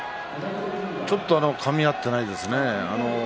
ちょっとかみ合っていないですね。